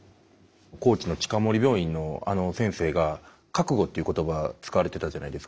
高知の近森病院の先生が覚悟という言葉を使われてたじゃないですか。